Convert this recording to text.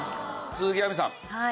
鈴木亜美さん。